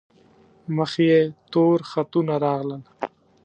مخ یې تور خطونه راغلل.